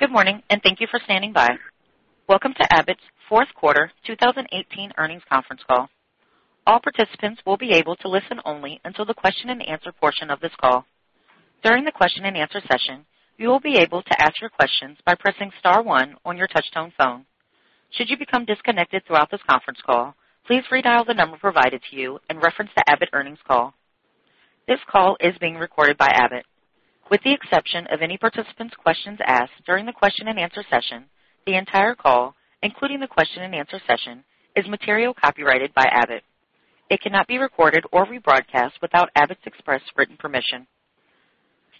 Good morning, and thank you for standing by. Welcome to Abbott's fourth quarter 2018 earnings conference call. All participants will be able to listen only until the question and answer portion of this call. During the question and answer session, you will be able to ask your questions by pressing star one on your touch-tone phone. Should you become disconnected throughout this conference call, please redial the number provided to you and reference the Abbott earnings call. This call is being recorded by Abbott. With the exception of any participant's questions asked during the question and answer session, the entire call, including the question and answer session, is material copyrighted by Abbott. It cannot be recorded or rebroadcast without Abbott's express written permission.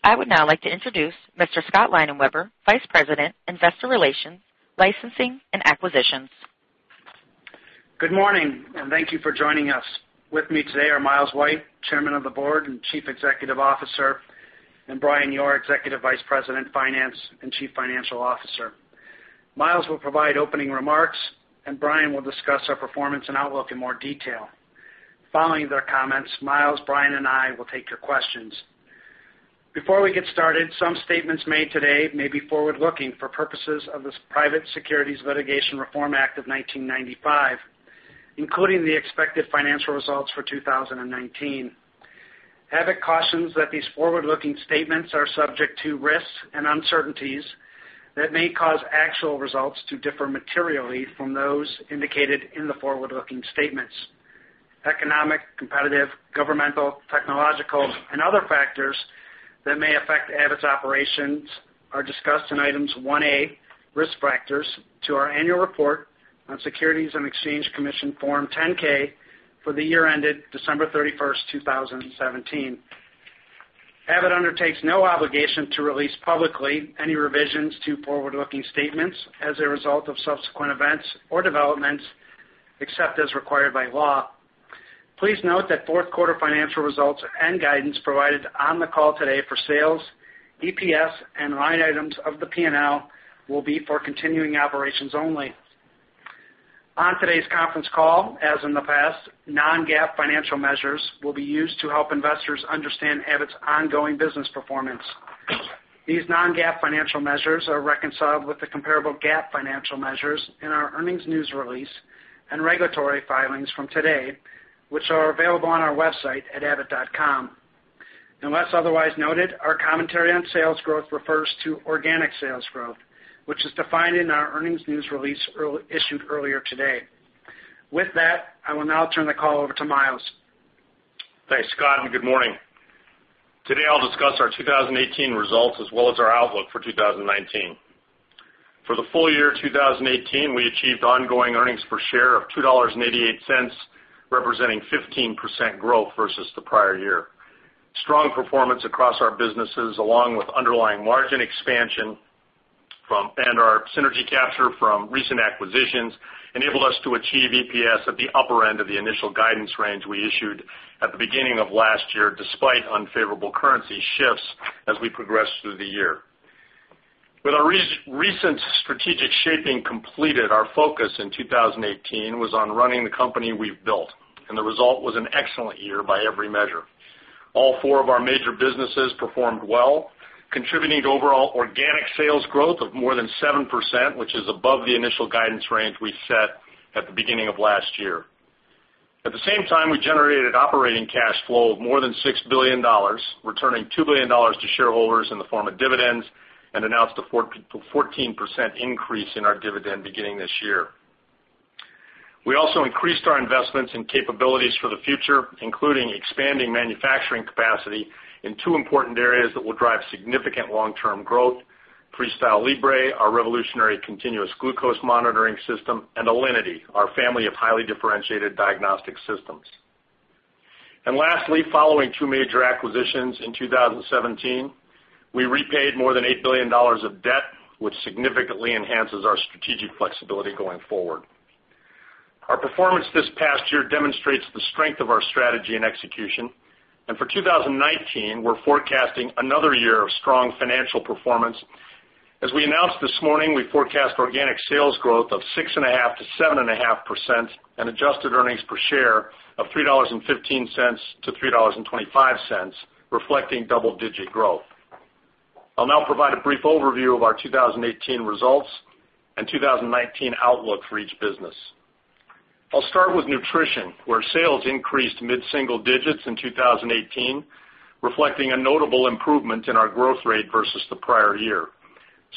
I would now like to introduce Mr. Scott Leinenweber, Vice President, Investor Relations, Licensing and Acquisitions. Good morning, and thank you for joining us. With me today are Miles White, Chairman of the Board and Chief Executive Officer, and Brian Yoor, Executive Vice President, Finance and Chief Financial Officer. Miles will provide opening remarks, and Brian will discuss our performance and outlook in more detail. Following their comments, Miles, Brian, and I will take your questions. Before we get started, some statements made today may be forward-looking for purposes of the Private Securities Litigation Reform Act of 1995, including the expected financial results for 2019. Abbott cautions that these forward-looking statements are subject to risks and uncertainties that may cause actual results to differ materially from those indicated in the forward-looking statements. Economic, competitive, governmental, technological and other factors that may affect Abbott's operations are discussed in items 1A, risk factors to our annual report on Securities and Exchange Commission Form 10-K for the year ended December 31st, 2017. Abbott undertakes no obligation to release publicly any revisions to forward-looking statements as a result of subsequent events or developments, except as required by law. Please note that fourth quarter financial results and guidance provided on the call today for sales, EPS, and line items of the P&L will be for continuing operations only. On today's conference call, as in the past, non-GAAP financial measures will be used to help investors understand Abbott's ongoing business performance. These non-GAAP financial measures are reconciled with the comparable GAAP financial measures in our earnings news release and regulatory filings from today, which are available on our website at abbott.com. Unless otherwise noted, our commentary on sales growth refers to organic sales growth, which is defined in our earnings news release issued earlier today. With that, I will now turn the call over to Miles. Thanks, Scott, and good morning. Today, I'll discuss our 2018 results as well as our outlook for 2019. For the full year 2018, we achieved ongoing earnings per share of $2.88, representing 15% growth versus the prior year. Strong performance across our businesses, along with underlying margin expansion and our synergy capture from recent acquisitions, enabled us to achieve EPS at the upper end of the initial guidance range we issued at the beginning of last year, despite unfavorable currency shifts as we progressed through the year. With our recent strategic shaping completed, our focus in 2018 was on running the company we've built, the result was an excellent year by every measure. All four of our major businesses performed well, contributing to overall organic sales growth of more than 7%, which is above the initial guidance range we set at the beginning of last year. At the same time, we generated operating cash flow of more than $6 billion, returning $2 billion to shareholders in the form of dividends, announced a 14% increase in our dividend beginning this year. We also increased our investments and capabilities for the future, including expanding manufacturing capacity in two important areas that will drive significant long-term growth, FreeStyle Libre, our revolutionary continuous glucose monitoring system, and Alinity, our family of highly differentiated diagnostic systems. Lastly, following two major acquisitions in 2017, we repaid more than $8 billion of debt, which significantly enhances our strategic flexibility going forward. Our performance this past year demonstrates the strength of our strategy and execution. For 2019, we're forecasting another year of strong financial performance. As we announced this morning, we forecast organic sales growth of 6.5%-7.5% and adjusted earnings per share of $3.15-$3.25, reflecting double-digit growth. I'll now provide a brief overview of our 2018 results and 2019 outlook for each business. I'll start with nutrition, where sales increased mid-single digits in 2018, reflecting a notable improvement in our growth rate versus the prior year.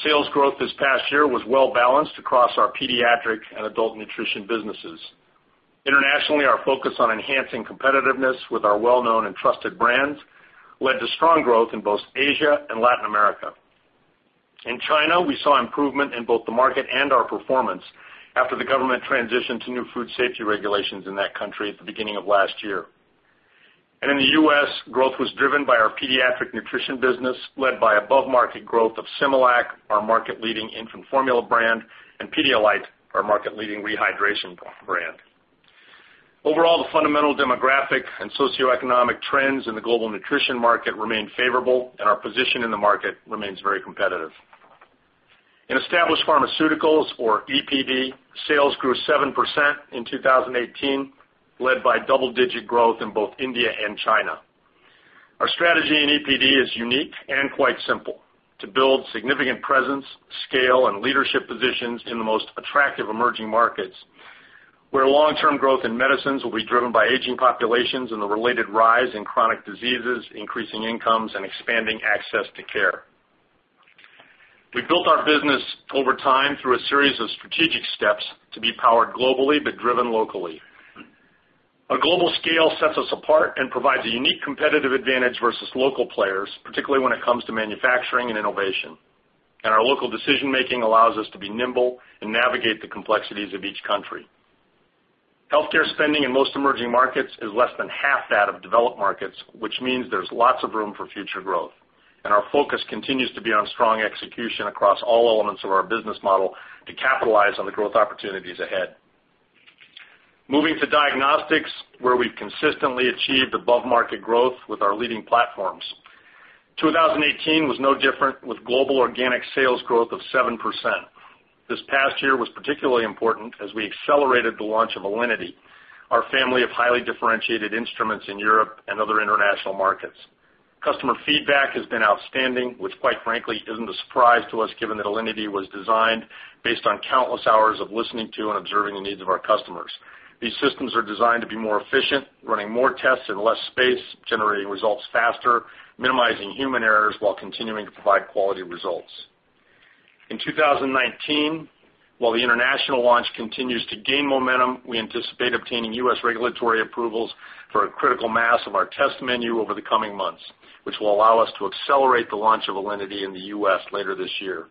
Sales growth this past year was well-balanced across our pediatric and adult nutrition businesses. Internationally, our focus on enhancing competitiveness with our well-known and trusted brands led to strong growth in both Asia and Latin America. In China, we saw improvement in both the market and our performance after the government transitioned to new food safety regulations in that country at the beginning of last year. In the U.S., growth was driven by our pediatric nutrition business, led by above-market growth of Similac, our market-leading infant formula brand, and Pedialyte, our market-leading rehydration brand. Overall, the fundamental demographic and socioeconomic trends in the global nutrition market remain favorable, our position in the market remains very competitive. In Established Pharmaceuticals or EPD, sales grew 7% in 2018, led by double-digit growth in both India and China. Our strategy in EPD is unique and quite simple: to build significant presence, scale, and leadership positions in the most attractive emerging markets, where long-term growth in medicines will be driven by aging populations and the related rise in chronic diseases, increasing incomes, and expanding access to care. We've built our business over time through a series of strategic steps to be powered globally but driven locally. Our global scale sets us apart and provides a unique competitive advantage versus local players, particularly when it comes to manufacturing and innovation. Our local decision-making allows us to be nimble and navigate the complexities of each country. Healthcare spending in most emerging markets is less than half that of developed markets, which means there's lots of room for future growth. Our focus continues to be on strong execution across all elements of our business model to capitalize on the growth opportunities ahead. Moving to diagnostics, where we've consistently achieved above-market growth with our leading platforms. 2018 was no different, with global organic sales growth of 7%. This past year was particularly important as we accelerated the launch of Alinity, our family of highly differentiated instruments in Europe and other international markets. Customer feedback has been outstanding, which quite frankly, isn't a surprise to us given that Alinity was designed based on countless hours of listening to and observing the needs of our customers. These systems are designed to be more efficient, running more tests in less space, generating results faster, minimizing human errors while continuing to provide quality results. In 2019, while the international launch continues to gain momentum, we anticipate obtaining U.S. regulatory approvals for a critical mass of our test menu over the coming months, which will allow us to accelerate the launch of Alinity in the U.S. later this year.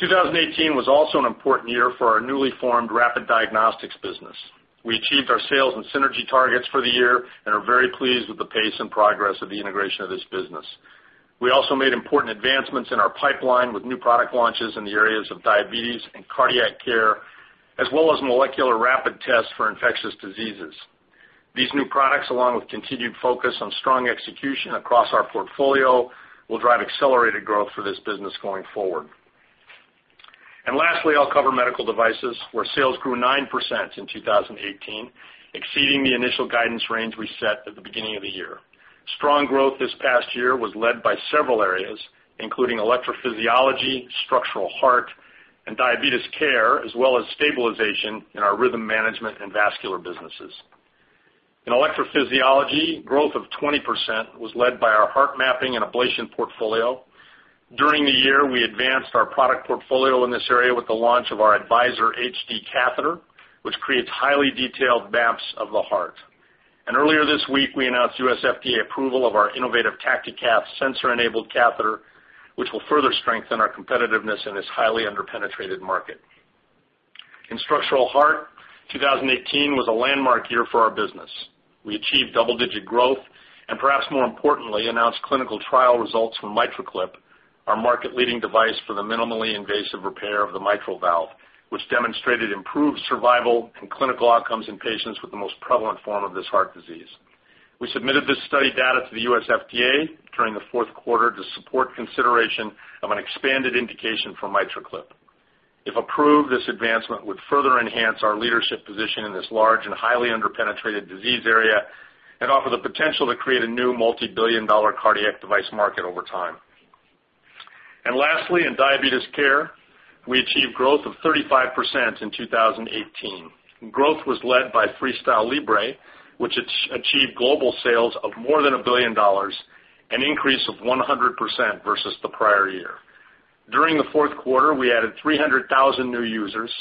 2018 was also an important year for our newly formed Rapid Diagnostics business. We achieved our sales and synergy targets for the year and are very pleased with the pace and progress of the integration of this business. We also made important advancements in our pipeline with new product launches in the areas of diabetes and cardiac care, as well as molecular rapid tests for infectious diseases. These new products, along with continued focus on strong execution across our portfolio, will drive accelerated growth for this business going forward. Lastly, I'll cover medical devices, where sales grew 9% in 2018, exceeding the initial guidance range we set at the beginning of the year. Strong growth this past year was led by several areas, including electrophysiology, structural heart, and diabetes care, as well as stabilization in our Rhythm Management and vascular businesses. In electrophysiology, growth of 20% was led by our heart mapping and ablation portfolio. During the year, we advanced our product portfolio in this area with the launch of our Advisor HD catheter, which creates highly detailed maps of the heart. Earlier this week, we announced U.S. FDA approval of our innovative TactiCath sensor-enabled catheter, which will further strengthen our competitiveness in this highly under-penetrated market. In structural heart, 2018 was a landmark year for our business. We achieved double-digit growth, and perhaps more importantly, announced clinical trial results from MitraClip, our market-leading device for the minimally invasive repair of the mitral valve, which demonstrated improved survival and clinical outcomes in patients with the most prevalent form of this heart disease. We submitted this study data to the U.S. FDA during the fourth quarter to support consideration of an expanded indication for MitraClip. If approved, this advancement would further enhance our leadership position in this large and highly under-penetrated disease area and offer the potential to create a new multibillion-dollar cardiac device market over time. Lastly, in diabetes care, we achieved growth of 35% in 2018. Growth was led by FreeStyle Libre, which achieved global sales of more than $1 billion, an increase of 100% versus the prior year. During the fourth quarter, we added 300,000 new users.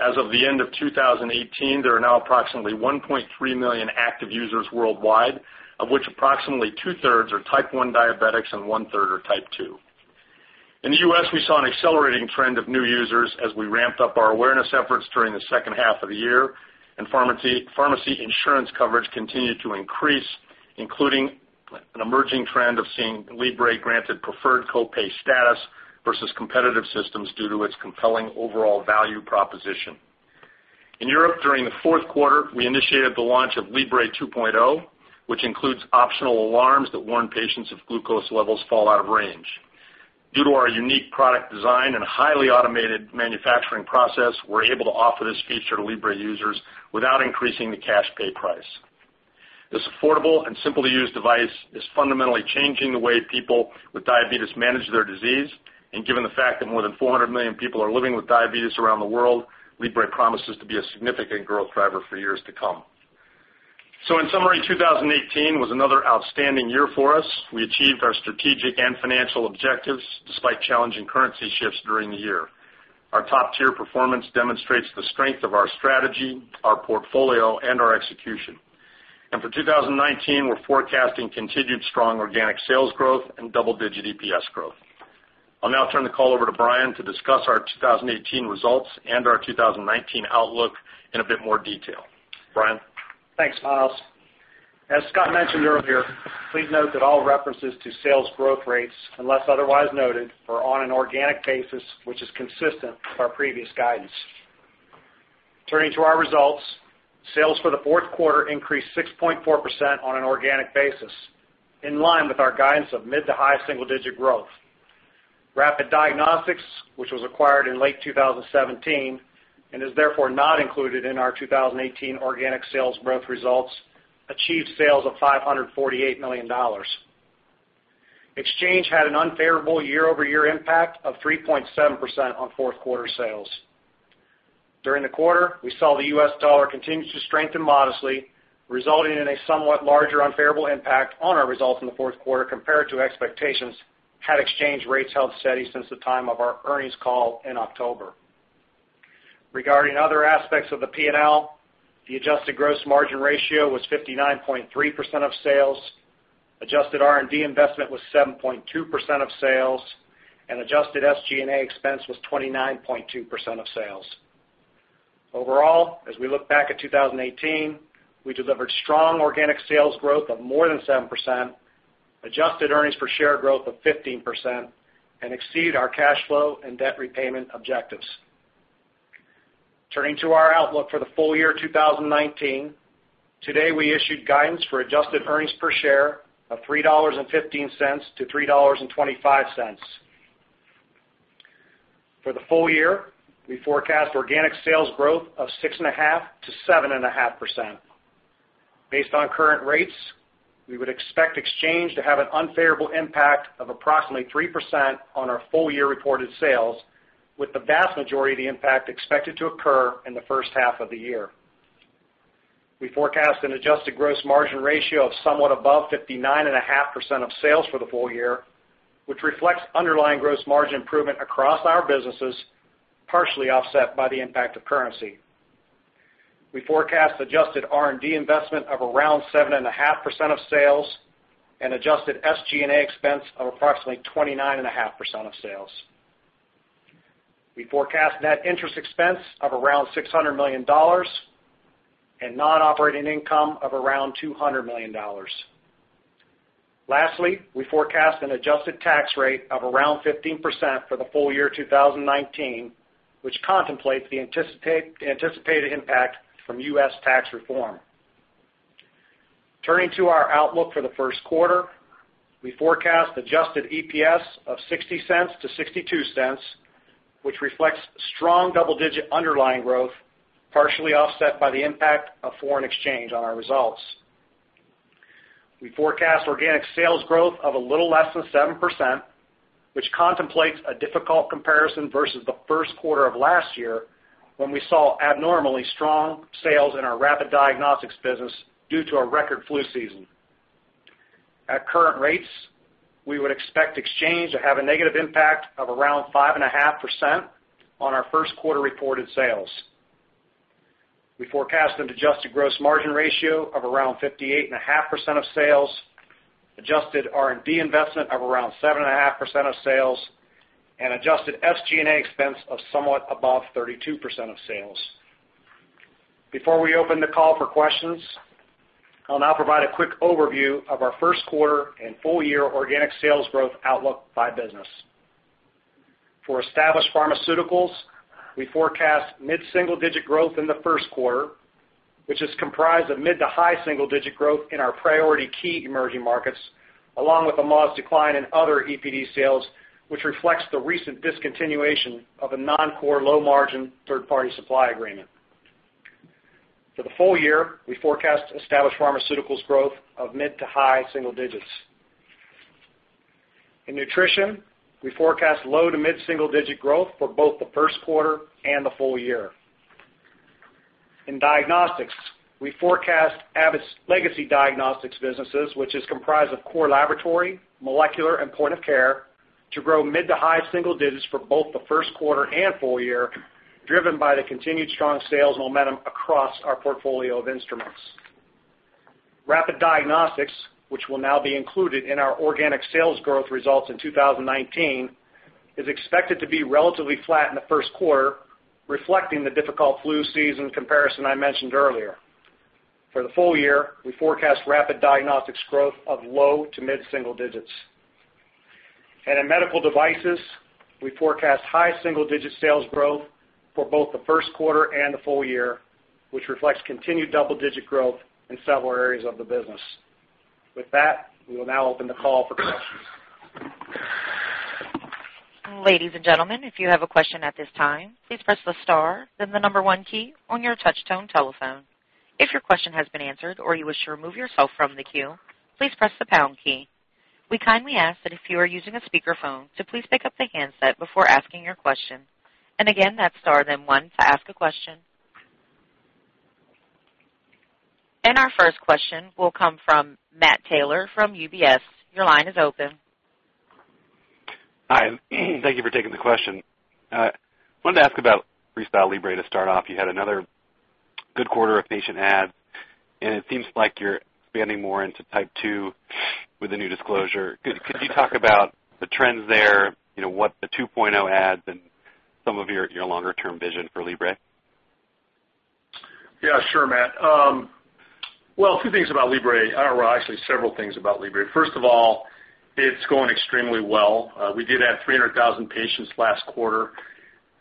As of the end of 2018, there are now approximately 1.3 million active users worldwide, of which approximately two-thirds are Type 1 diabetics and one-third are Type 2. In the U.S., we saw an accelerating trend of new users as we ramped up our awareness efforts during the second half of the year, and pharmacy insurance coverage continued to increase, including an emerging trend of seeing Libre granted preferred co-pay status versus competitive systems due to its compelling overall value proposition. In Europe, during the fourth quarter, we initiated the launch of Libre 2, which includes optional alarms that warn patients if glucose levels fall out of range. Due to our unique product design and highly automated manufacturing process, we're able to offer this feature to Libre users without increasing the cash pay price. This affordable and simple-to-use device is fundamentally changing the way people with diabetes manage their disease. Given the fact that more than 400 million people are living with diabetes around the world, Libre promises to be a significant growth driver for years to come. In summary, 2018 was another outstanding year for us. We achieved our strategic and financial objectives despite challenging currency shifts during the year. Our top-tier performance demonstrates the strength of our strategy, our portfolio, and our execution. For 2019, we're forecasting continued strong organic sales growth and double-digit EPS growth. I'll now turn the call over to Brian to discuss our 2018 results and our 2019 outlook in a bit more detail. Brian? Thanks, Miles. As Scott mentioned earlier, please note that all references to sales growth rates, unless otherwise noted, are on an organic basis, which is consistent with our previous guidance. Turning to our results, sales for the fourth quarter increased 6.4% on an organic basis, in line with our guidance of mid to high single-digit growth. Rapid Diagnostics, which was acquired in late 2017 and is therefore not included in our 2018 organic sales growth results, achieved sales of $548 million. Exchange had an unfavorable year-over-year impact of 3.7% on fourth quarter sales. During the quarter, we saw the U.S. dollar continue to strengthen modestly, resulting in a somewhat larger unfavorable impact on our results in the fourth quarter compared to expectations had exchange rates held steady since the time of our earnings call in October. Regarding other aspects of the P&L, the adjusted gross margin ratio was 59.3% of sales, adjusted R&D investment was 7.2% of sales, and adjusted SG&A expense was 29.2% of sales. Overall, as we look back at 2018, we delivered strong organic sales growth of more than 7%, adjusted earnings per share growth of 15%, and exceeded our cash flow and debt repayment objectives. Turning to our outlook for the full year 2019, today we issued guidance for adjusted earnings per share of $3.15-$3.25. For the full year, we forecast organic sales growth of 6.5%-7.5%. Based on current rates, we would expect exchange to have an unfavorable impact of approximately 3% on our full-year reported sales, with the vast majority of the impact expected to occur in the first half of the year. We forecast an adjusted gross margin ratio of somewhat above 59.5% of sales for the full year, which reflects underlying gross margin improvement across our businesses, partially offset by the impact of currency. We forecast adjusted R&D investment of around 7.5% of sales and adjusted SG&A expense of approximately 29.5% of sales. We forecast net interest expense of around $600 million and non-operating income of around $200 million. Lastly, we forecast an adjusted tax rate of around 15% for the full year 2019, which contemplates the anticipated impact from U.S. tax reform. Turning to our outlook for the first quarter, we forecast adjusted EPS of $0.60-$0.62, which reflects strong double-digit underlying growth, partially offset by the impact of foreign exchange on our results. We forecast organic sales growth of a little less than 7%, which contemplates a difficult comparison versus the first quarter of last year when we saw abnormally strong sales in our Rapid Diagnostics business due to a record flu season. At current rates, we would expect exchange to have a negative impact of around 5.5% on our first quarter reported sales. We forecast an adjusted gross margin ratio of around 58.5% of sales, adjusted R&D investment of around 7.5% of sales, and adjusted SG&A expense of somewhat above 32% of sales. Before we open the call for questions, I'll now provide a quick overview of our first quarter and full-year organic sales growth outlook by business. For Established Pharmaceuticals, we forecast mid-single-digit growth in the first quarter, which is comprised of mid to high single-digit growth in our priority key emerging markets, along with a modest decline in other EPD sales, which reflects the recent discontinuation of a non-core, low-margin third-party supply agreement. For the full year, we forecast Established Pharmaceuticals growth of mid to high single digits. In Nutrition, we forecast low to mid-single-digit growth for both the first quarter and the full year. In Diagnostics, we forecast Abbott's legacy diagnostics businesses, which is comprised of core laboratory, molecular, and point of care, to grow mid to high single digits for both the first quarter and full year, driven by the continued strong sales momentum across our portfolio of instruments. Rapid Diagnostics, which will now be included in our organic sales growth results in 2019, is expected to be relatively flat in the first quarter, reflecting the difficult flu season comparison I mentioned earlier. For the full year, we forecast Rapid Diagnostics growth of low to mid-single digits. In Medical Devices, we forecast high single-digit sales growth for both the first quarter and the full year, which reflects continued double-digit growth in several areas of the business. With that, we will now open the call for questions. Ladies and gentlemen, if you have a question at this time, please press the star, then the number one key on your touch tone telephone. If your question has been answered or you wish to remove yourself from the queue, please press the pound key. We kindly ask that if you are using a speakerphone to please pick up the handset before asking your question. Again, that's star, then one to ask a question. Our first question will come from Matt Taylor from UBS. Your line is open. Hi. Thank you for taking the question. I wanted to ask about FreeStyle Libre to start off. You had another good quarter of patient adds, and it seems like you're expanding more into type 2 with the new disclosure. Could you talk about the trends there, what the 2.0 adds, and some of your longer-term vision for Libre? Yeah, sure, Matt. Well, two things about Libre. Well, actually, several things about Libre. First of all, it's going extremely well. We did add 300,000 patients last quarter.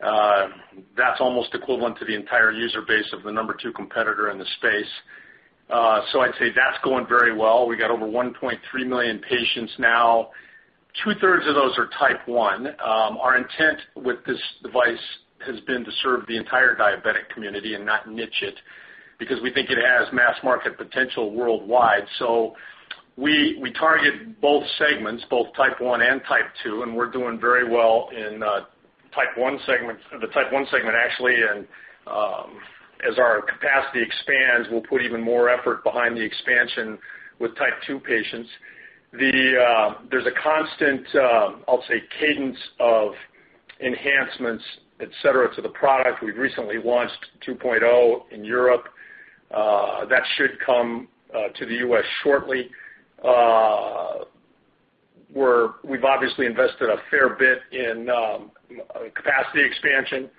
That's almost equivalent to the entire user base of the number two competitor in the space. I'd say that's going very well. We got over 1.3 million patients now. Two-thirds of those are type 1. Our intent with this device has been to serve the entire diabetic community and not niche it, because we think it has mass market potential worldwide. We target both segments, both type 1 and type 2, and we're doing very well in the type 1 segment. As our capacity expands, we'll put even more effort behind the expansion with type 2 patients. There's a constant, I'll say, cadence of enhancements, et cetera, to the product. We've recently launched 2.0 in Europe. That should come to the U.S. shortly. We've obviously invested a fair bit in capacity expansion.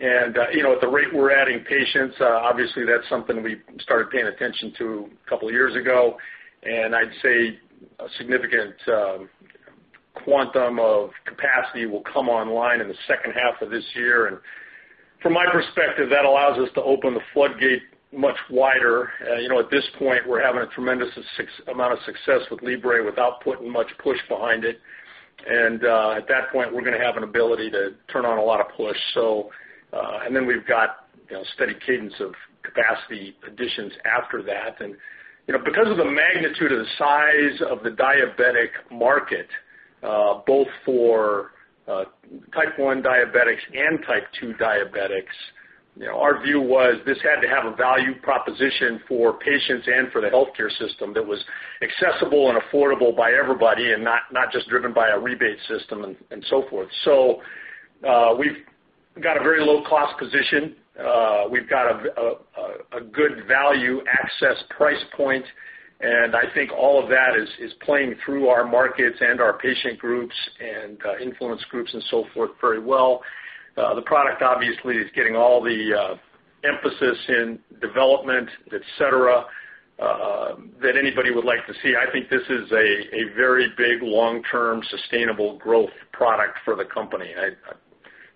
At the rate we're adding patients, obviously, that's something we started paying attention to a couple of years ago. I'd say a significant quantum of capacity will come online in the second half of this year. From my perspective, that allows us to open the floodgate much wider. At this point, we're having a tremendous amount of success with Libre without putting much push behind it. At that point, we're going to have an ability to turn on a lot of push. We've got steady cadence of capacity additions after that. Because of the magnitude of the size of the diabetic market, both for type 1 diabetics and type 2 diabetics, our view was this had to have a value proposition for patients and for the healthcare system that was accessible and affordable by everybody, not just driven by a rebate system and so forth. We've got a very low-cost position. We've got a good value access price point. I think all of that is playing through our markets and our patient groups and influence groups and so forth very well. The product obviously is getting all the emphasis in development, et cetera, that anybody would like to see. I think this is a very big, long-term, sustainable growth product for the company. I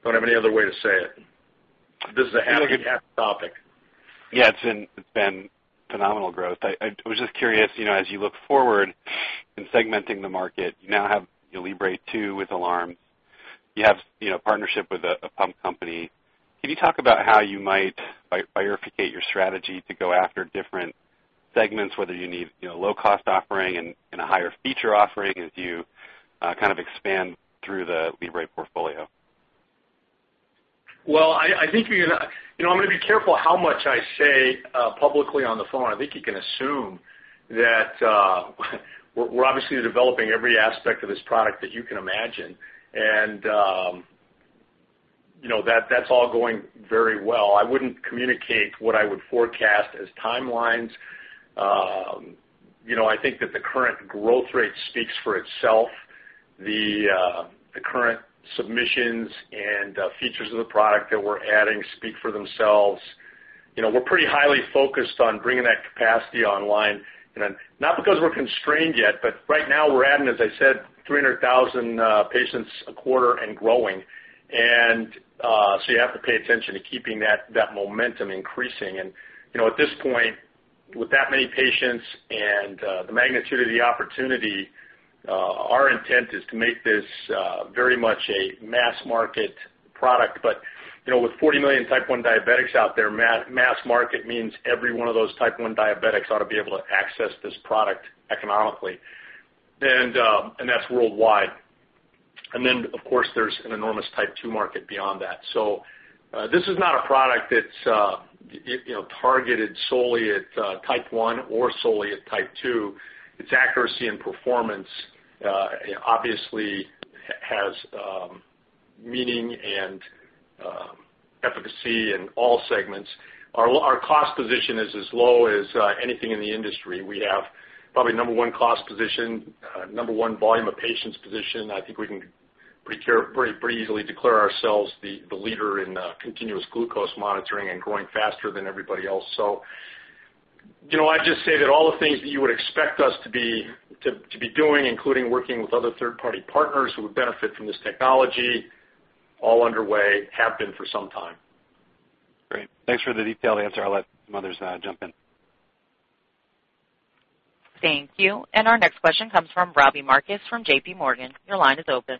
don't have any other way to say it. This is a happy topic. Yeah, it's been phenomenal growth. I was just curious, as you look forward in segmenting the market, you now have Libre 2 with alarms. You have partnership with a pump company. Can you talk about how you might bifurcate your strategy to go after different segments, whether you need low cost offering and a higher feature offering as you kind of expand through the Libre portfolio? Well, I'm going to be careful how much I say publicly on the phone. I think you can assume that we're obviously developing every aspect of this product that you can imagine, that's all going very well. I wouldn't communicate what I would forecast as timelines. I think that the current growth rate speaks for itself. The current submissions and features of the product that we're adding speak for themselves. We're pretty highly focused on bringing that capacity online, not because we're constrained yet, but right now we're adding, as I said, 300,000 patients a quarter and growing. You have to pay attention to keeping that momentum increasing. At this point, with that many patients and the magnitude of the opportunity, our intent is to make this very much a mass market product. With 40 million type 1 diabetics out there, mass market means every one of those type 1 diabetics ought to be able to access this product economically, and that's worldwide. Of course, there's an enormous type 2 market beyond that. This is not a product that's targeted solely at type 1 or solely at type 2. Its accuracy and performance obviously has meaning and efficacy in all segments. Our cost position is as low as anything in the industry. We have probably number 1 cost position, number 1 volume of patients position. I think we can pretty easily declare ourselves the leader in continuous glucose monitoring and growing faster than everybody else. I'd just say that all the things that you would expect us to be doing, including working with other third-party partners who would benefit from this technology, all underway, have been for some time. Great. Thanks for the detailed answer. I'll let others jump in. Thank you. Our next question comes from Robbie Marcus from JPMorgan. Your line is open.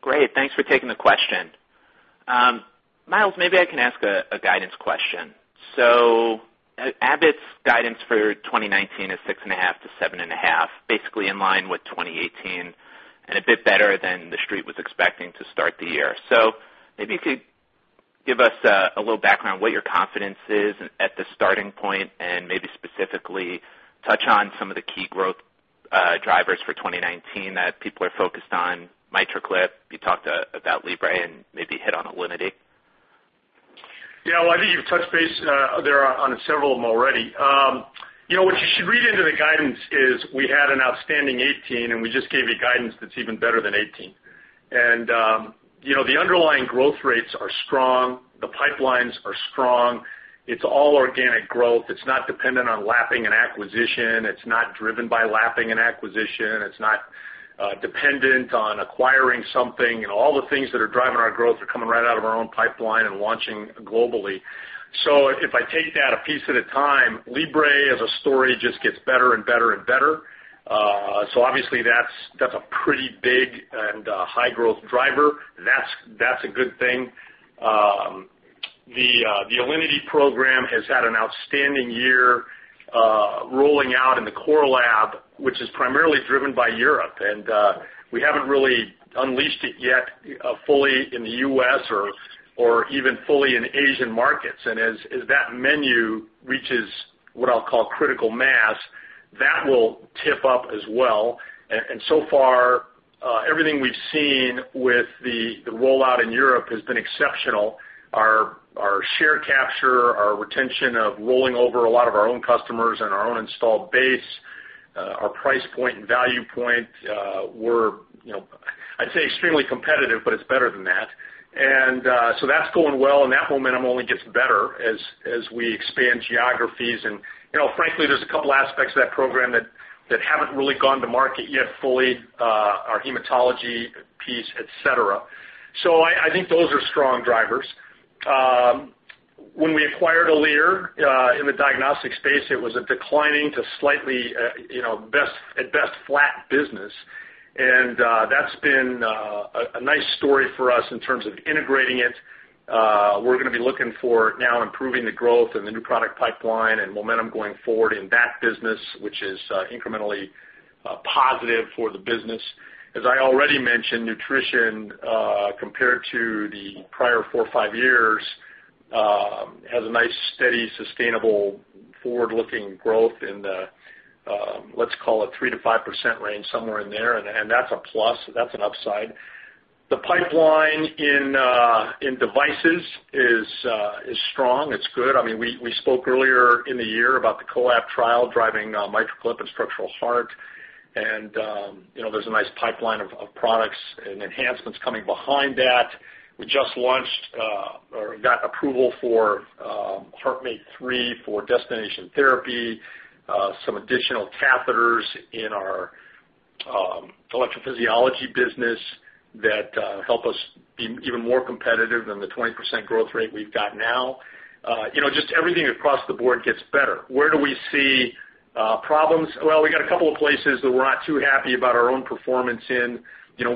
Great. Thanks for taking the question. Miles, maybe I can ask a guidance question. Abbott's guidance for 2019 is 6.5%-7.5%, basically in line with 2018, a bit better than the street was expecting to start the year. Maybe you could give us a little background, what your confidence is at the starting point, and maybe specifically touch on some of the key growth drivers for 2019 that people are focused on. MitraClip, you talked about Libre and maybe hit on Alinity. Well, I think you've touched base there on several of them already. What you should read into the guidance is we had an outstanding 2018, we just gave you guidance that's even better than 2018. The underlying growth rates are strong. The pipelines are strong. It's all organic growth. It's not dependent on lapping an acquisition. It's not driven by lapping an acquisition. It's not dependent on acquiring something. All the things that are driving our growth are coming right out of our own pipeline and launching globally. If I take that a piece at a time, Libre as a story just gets better and better and better. Obviously that's a pretty big and high growth driver. That's a good thing. The Alinity program has had an outstanding year rolling out in the core lab, which is primarily driven by Europe, we haven't really unleashed it yet fully in the U.S. or even fully in Asian markets. As that menu reaches what I'll call critical mass, that will tip up as well. So far, everything we've seen with the rollout in Europe has been exceptional. Our share capture, our retention of rolling over a lot of our own customers and our own installed base, our price point and value point were, I'd say extremely competitive, but it's better than that. That's going well. That momentum only gets better as we expand geographies. Frankly, there's a couple aspects of that program that haven't really gone to market yet fully, our hematology piece, et cetera. I think those are strong drivers. When we acquired Alere in the diagnostic space, it was a declining to slightly, at best, flat business, that's been a nice story for us in terms of integrating it. We're going to be looking for now improving the growth in the new product pipeline and momentum going forward in that business, which is incrementally positive for the business. As I already mentioned, nutrition compared to the prior four or five years has a nice, steady, sustainable forward-looking growth in the, let's call it 3%-5% range, somewhere in there, that's a plus. That's an upside. The pipeline in devices is strong. It's good. We spoke earlier in the year about the COAPT trial driving MitraClip and structural heart, there's a nice pipeline of products and enhancements coming behind that. We just got approval for HeartMate 3 for destination therapy, some additional catheters in our electrophysiology business that help us be even more competitive than the 20% growth rate we've got now. Just everything across the board gets better. Where do we see problems? Well, we got a couple of places that we're not too happy about our own performance in.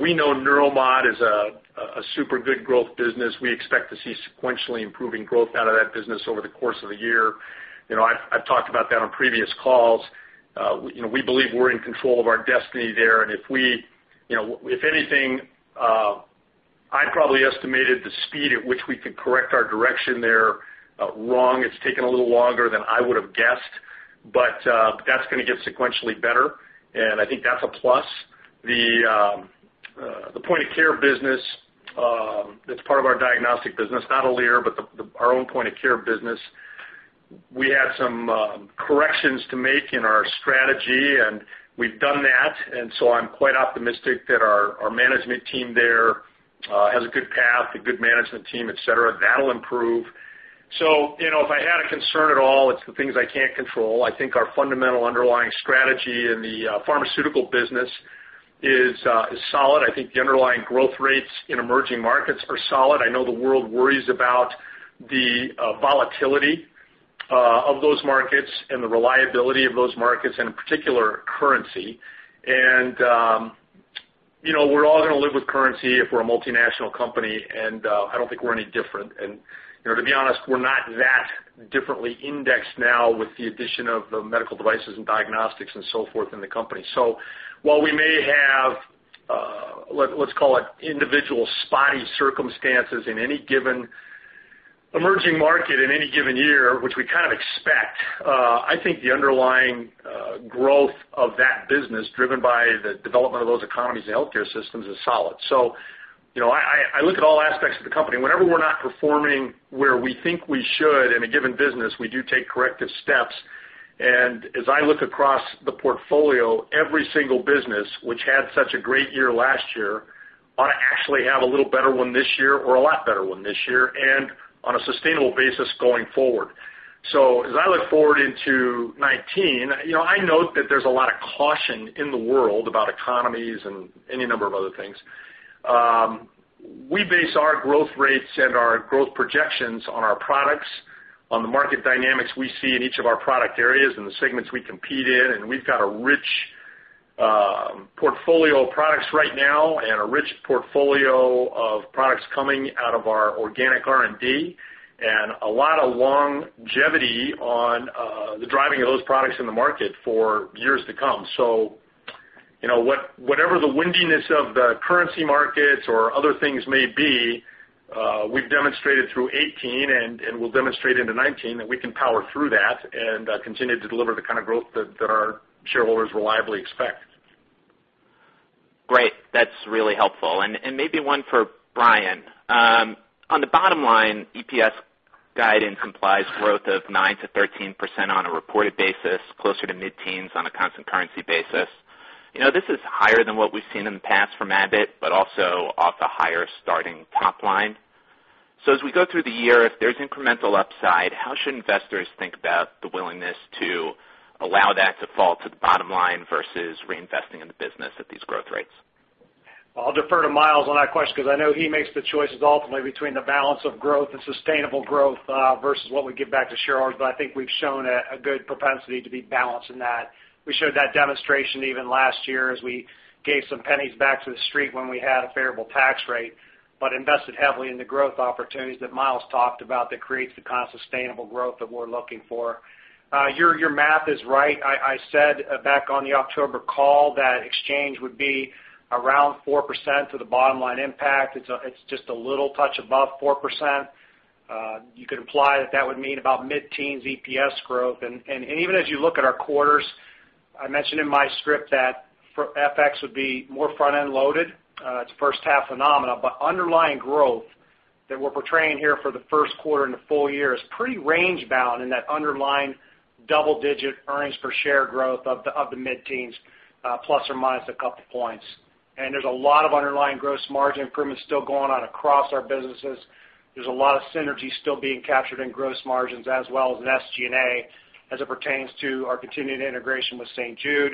We know Neuromod is a super good growth business. We expect to see sequentially improving growth out of that business over the course of the year. I've talked about that on previous calls. We believe we're in control of our destiny there, and if anything, I probably estimated the speed at which we could correct our direction there wrong. It's taken a little longer than I would have guessed, but that's going to get sequentially better, and I think that's a plus. The point of care business, that's part of our diagnostic business, not Alere, but our own point of care business. We had some corrections to make in our strategy, and we've done that. I'm quite optimistic that our management team there has a good path, a good management team, et cetera. That'll improve. If I had a concern at all, it's the things I can't control. I think our fundamental underlying strategy in the pharmaceutical business is solid. I think the underlying growth rates in emerging markets are solid. I know the world worries about the volatility of those markets and the reliability of those markets, and in particular, currency. We're all going to live with currency if we're a multinational company, and I don't think we're any different. To be honest, we're not that differently indexed now with the addition of the medical devices and diagnostics and so forth in the company. While we may have, let's call it individual spotty circumstances in any given emerging market in any given year, which we kind of expect, I think the underlying growth of that business driven by the development of those economies and healthcare systems is solid. I look at all aspects of the company. Whenever we're not performing where we think we should in a given business, we do take corrective steps. As I look across the portfolio, every single business which had such a great year last year ought to actually have a little better one this year or a lot better one this year and on a sustainable basis going forward. As I look forward into 2019, I note that there's a lot of caution in the world about economies and any number of other things. We base our growth rates and our growth projections on our products, on the market dynamics we see in each of our product areas and the segments we compete in, and we've got a rich portfolio of products right now and a rich portfolio of products coming out of our organic R&D, and a lot of longevity on the driving of those products in the market for years to come. Whatever the windiness of the currency markets or other things may be, we've demonstrated through 2018 and we'll demonstrate into 2019 that we can power through that and continue to deliver the kind of growth that our shareholders reliably expect. Great. That's really helpful. Maybe one for Brian. On the bottom line, EPS guidance implies growth of 9%-13% on a reported basis, closer to mid-teens on a constant currency basis. This is higher than what we've seen in the past from Abbott, but also off the higher starting top line. As we go through the year, if there's incremental upside, how should investors think about the willingness to allow that to fall to the bottom line versus reinvesting in the business at these growth rates? I'll defer to Miles on that question because I know he makes the choices ultimately between the balance of growth and sustainable growth versus what we give back to shareholders, but I think we've shown a good propensity to be balanced in that. We showed that demonstration even last year as we gave some pennies back to the street when we had a favorable tax rate, but invested heavily in the growth opportunities that Miles talked about that creates the kind of sustainable growth that we're looking for. Your math is right. I said back on the October call that exchange would be around 4% to the bottom line impact. It's just a little touch above 4%. You could imply that that would mean about mid-teens EPS growth. Even as you look at our quarters, I mentioned in my script that FX would be more front-end loaded. It's a first-half phenomena. Underlying growth that we're portraying here for the first quarter and the full year is pretty range-bound in that underlying double-digit earnings per share growth of the mid-teens, plus or minus a couple points. There's a lot of underlying gross margin improvements still going on across our businesses. There's a lot of synergy still being captured in gross margins as well as in SG&A, as it pertains to our continuing integration with St. Jude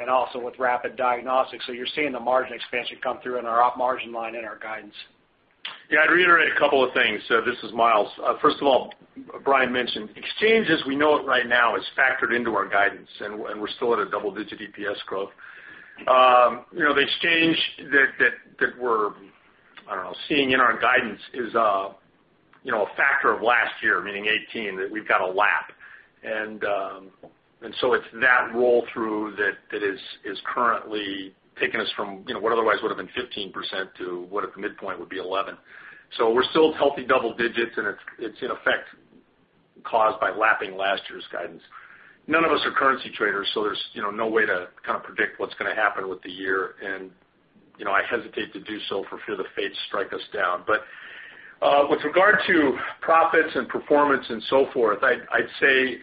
and also with Rapid Diagnostics. You're seeing the margin expansion come through in our op margin line in our guidance. I'd reiterate a couple of things. This is Miles. First of all, Brian mentioned exchange as we know it right now is factored into our guidance, and we're still at a double-digit EPS growth. The exchange that we're, I don't know, seeing in our guidance is a factor of last year, meaning 2018, that we've got a lap. It's that roll-through that is currently taking us from what otherwise would've been 15% to what at the midpoint would be 11%. We're still healthy double digits, and it's in effect caused by lapping last year's guidance. None of us are currency traders, so there's no way to kind of predict what's going to happen with the year, and I hesitate to do so for fear the fates strike us down. With regard to profits and performance and so forth, I'd say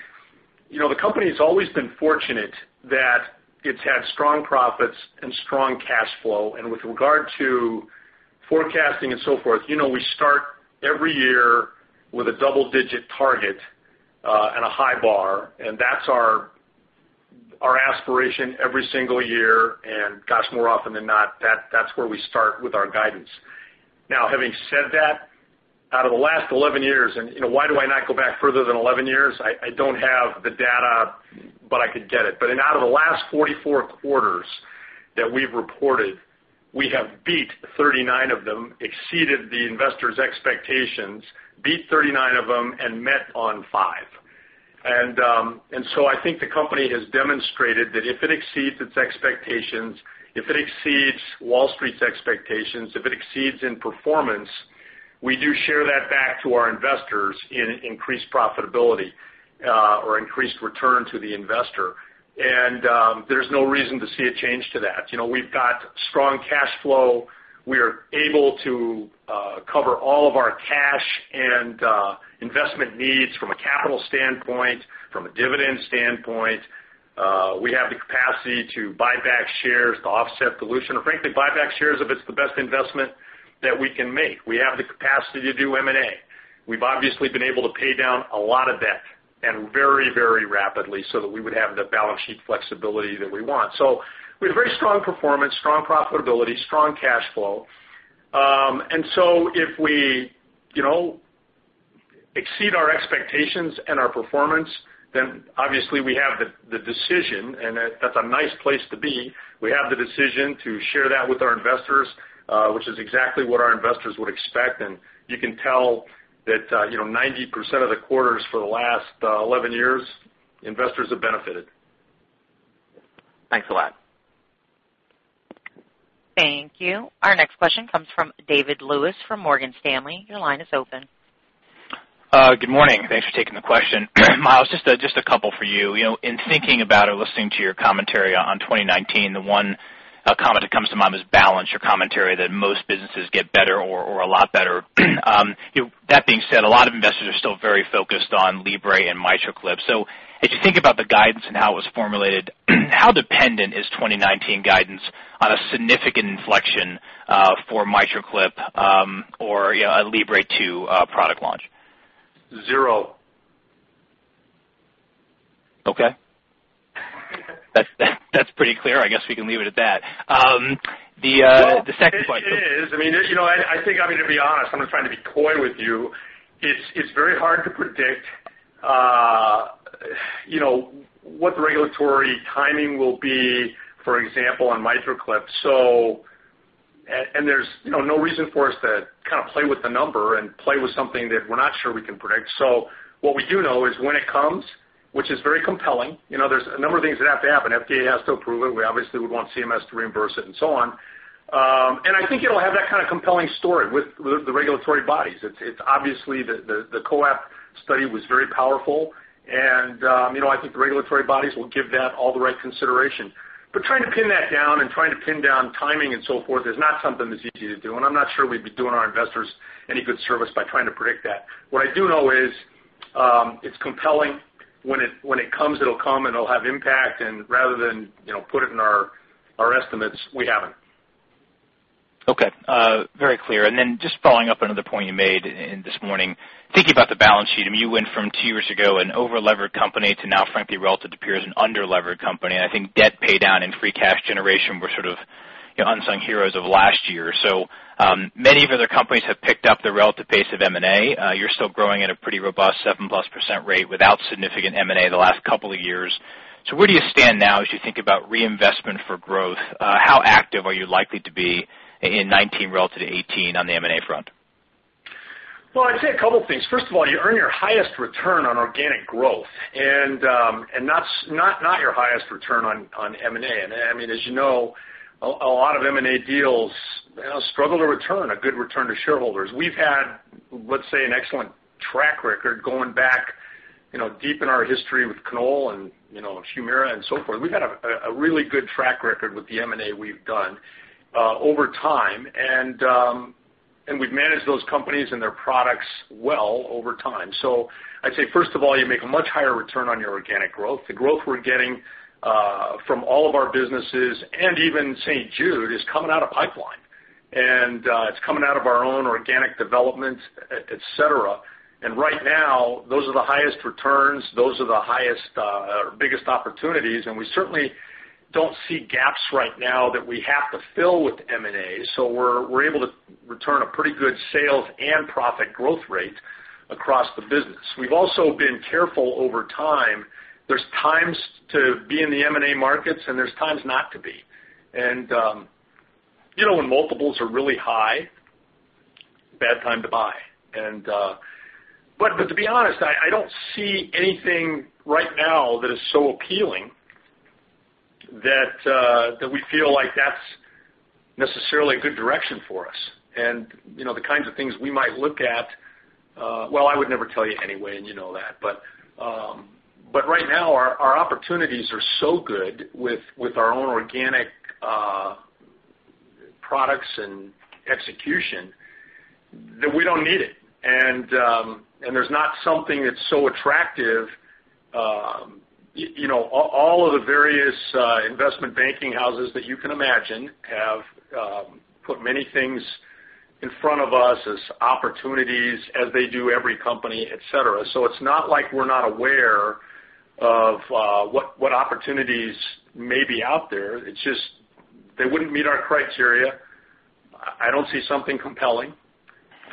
the company's always been fortunate that it's had strong profits and strong cash flow. With regard to forecasting and so forth, we start every year with a double-digit target and a high bar, and that's our aspiration every single year. Gosh, more often than not, that's where we start with our guidance. Now, having said that, out of the last 11 years, why do I not go back further than 11 years? I don't have the data, but I could get it. Out of the last 44 quarters that we've reported, we have beat 39 of them, exceeded the investors' expectations, beat 39 of them, and met on five. I think the company has demonstrated that if it exceeds its expectations, if it exceeds Wall Street's expectations, if it exceeds in performance, we do share that back to our investors in increased profitability or increased return to the investor. There's no reason to see a change to that. We've got strong cash flow. We are able to cover all of our cash and investment needs from a capital standpoint, from a dividend standpoint. We have the capacity to buy back shares to offset dilution, or frankly, buy back shares if it's the best investment that we can make. We have the capacity to do M&A. We've obviously been able to pay down a lot of debt and very rapidly so that we would have the balance sheet flexibility that we want. We have very strong performance, strong profitability, strong cash flow. If we exceed our expectations and our performance, then obviously we have the decision, and that's a nice place to be. We have the decision to share that with our investors, which is exactly what our investors would expect. You can tell that 90% of the quarters for the last 11 years, investors have benefited. Thanks a lot. Thank you. Our next question comes from David Lewis from Morgan Stanley. Your line is open. Good morning. Thanks for taking the question. Miles, just a couple for you. In thinking about or listening to your commentary on 2019, the one comment that comes to mind is balance, your commentary that most businesses get better or a lot better. That being said, a lot of investors are still very focused on Libre and MitraClip. As you think about the guidance and how it was formulated, how dependent is 2019 guidance on a significant inflection for MitraClip or a Libre 2 product launch? Zero. Okay. That's pretty clear. I guess we can leave it at that. Well, it is. I mean, to be honest, I'm not trying to be coy with you. It's very hard to predict what the regulatory timing will be, for example, on MitraClip. There's no reason for us to kind of play with the number and play with something that we're not sure we can predict. What we do know is when it comes, which is very compelling, there's a number of things that have to happen. FDA has to approve it. We obviously would want CMS to reimburse it, and so on. I think it'll have that kind of compelling story with the regulatory bodies. Obviously, the COAPT study was very powerful, and I think the regulatory bodies will give that all the right consideration. Trying to pin that down and trying to pin down timing and so forth is not something that's easy to do. I'm not sure we'd be doing our investors any good service by trying to predict that. What I do know is. It's compelling. When it comes, it'll come, and it'll have impact, and rather than put it in our estimates, we haven't. Okay. Very clear. Just following up, another point you made this morning. Thinking about the balance sheet, you went from two years ago, an over-levered company to now, frankly, relative appears an under-levered company. I think debt pay down and free cash generation were sort of unsung heroes of last year. Many of other companies have picked up the relative pace of M&A. You're still growing at a pretty robust 7%+ rate without significant M&A in the last couple of years. Where do you stand now as you think about reinvestment for growth? How active are you likely to be in 2019 relative to 2018 on the M&A front? Well, I'd say a couple things. First of all, you earn your highest return on organic growth, and not your highest return on M&A. As you know, a lot of M&A deals struggle to return a good return to shareholders. We've had, let's say, an excellent track record going back deep in our history with Knoll and HUMIRA and so forth. We've had a really good track record with the M&A we've done over time, and we've managed those companies and their products well over time. I'd say, first of all, you make a much higher return on your organic growth. The growth we're getting from all of our businesses, and even St. Jude, is coming out of pipeline, and it's coming out of our own organic development, et cetera. Right now, those are the highest returns. Those are the biggest opportunities. We certainly don't see gaps right now that we have to fill with M&A. We're able to return a pretty good sales and profit growth rate across the business. We've also been careful over time. There's times to be in the M&A markets and there's times not to be. When multiples are really high, bad time to buy. To be honest, I don't see anything right now that is so appealing that we feel like that's necessarily a good direction for us. The kinds of things we might look at, I would never tell you anyway, and you know that. Right now, our opportunities are so good with our own organic products and execution that we don't need it, and there's not something that's so attractive. All of the various investment banking houses that you can imagine have put many things in front of us as opportunities as they do every company, et cetera. It's not like we're not aware of what opportunities may be out there. It's just they wouldn't meet our criteria. I don't see something compelling.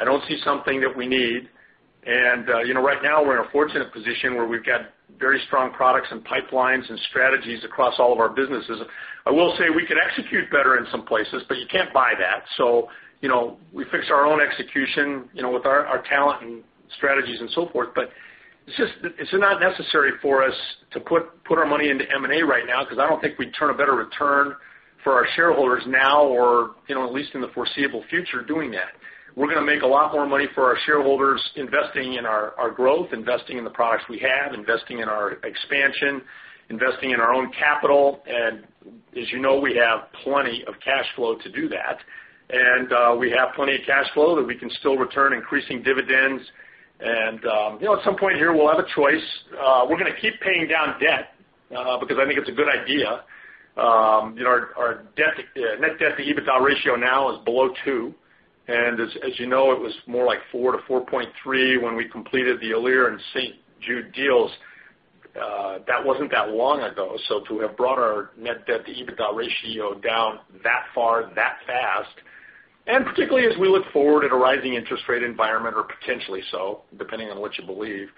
I don't see something that we need. Right now, we're in a fortunate position where we've got very strong products and pipelines and strategies across all of our businesses. I will say we can execute better in some places, but you can't buy that. We fix our own execution with our talent and strategies and so forth, but it's not necessary for us to put our money into M&A right now because I don't think we'd turn a better return for our shareholders now or at least in the foreseeable future doing that. We're going to make a lot more money for our shareholders investing in our growth, investing in the products we have, investing in our expansion, investing in our own capital. As you know, we have plenty of cash flow to do that, and we have plenty of cash flow that we can still return increasing dividends. At some point here, we'll have a choice. We're going to keep paying down debt because I think it's a good idea. Our net debt to EBITDA ratio now is below 2, and as you know, it was more like 4-4.3 when we completed the Alere and St. Jude deals. That wasn't that long ago. To have brought our net debt to EBITDA ratio down that far, that fast, and particularly as we look forward at a rising interest rate environment or potentially so, depending on what you believe.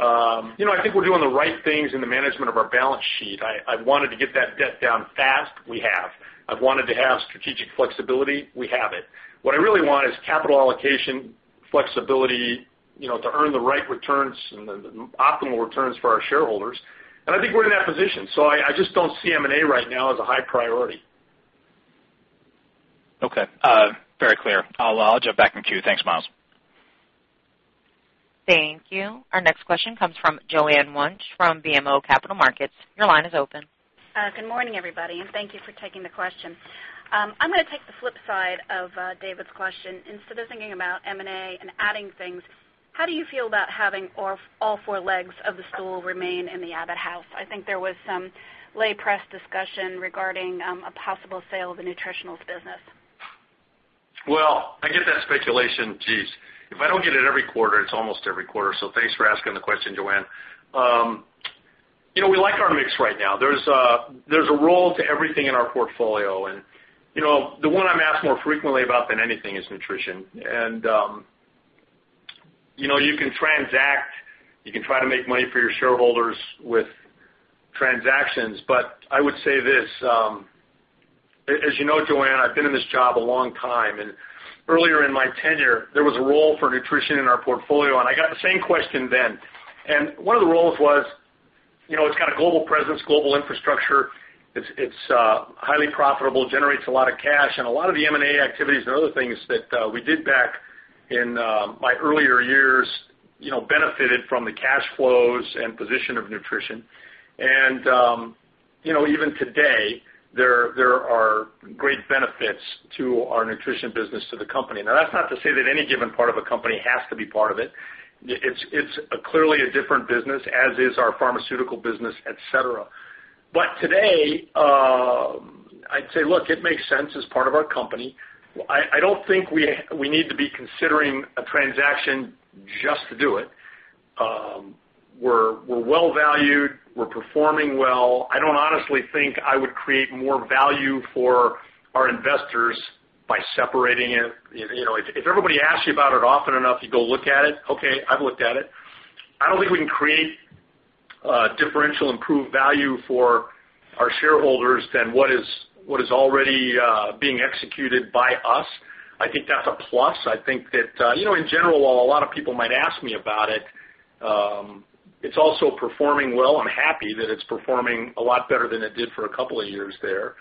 I think we're doing the right things in the management of our balance sheet. I wanted to get that debt down fast. We have. I've wanted to have strategic flexibility. We have it. What I really want is capital allocation flexibility to earn the right returns and the optimal returns for our shareholders. I think we're in that position. I just don't see M&A right now as a high priority. Okay. Very clear. I'll jump back in the queue. Thanks, Miles. Thank you. Our next question comes from Joanne Wuensch from BMO Capital Markets. Your line is open. Good morning, everybody, thank you for taking the question. I'm going to take the flip side of David's question. Instead of thinking about M&A and adding things, how do you feel about having all four legs of the stool remain in the Abbott house? I think there was some lay press discussion regarding a possible sale of the Nutritionals business. Well, I get that speculation. Geez, if I don't get it every quarter, it's almost every quarter. Thanks for asking the question, Joanne. We like our mix right now. There's a role to everything in our portfolio, and the one I'm asked more frequently about than anything is nutrition. You can transact, you can try to make money for your shareholders with transactions. I would say this, as you know, Joanne, I've been in this job a long time, and earlier in my tenure, there was a role for nutrition in our portfolio, and I got the same question then. One of the roles was it's got a global presence, global infrastructure. It's highly profitable, generates a lot of cash, and a lot of the M&A activities and other things that we did back in my earlier years benefited from the cash flows and position of nutrition. Even today, there are great benefits to our nutrition business to the company. That's not to say that any given part of a company has to be part of it. It's clearly a different business, as is our pharmaceutical business, et cetera. Today, I'd say, look, it makes sense as part of our company. I don't think we need to be considering a transaction just to do it. We're well valued. We're performing well. I don't honestly think I would create more value for our investors by separating it. If everybody asks you about it often enough, you go look at it. Okay, I've looked at it. I don't think we can create differential improved value for our shareholders than what is already being executed by us. I think that's a plus. I think that, in general, while a lot of people might ask me about it's also performing well. I'm happy that it's performing a lot better than it did for a couple of years there.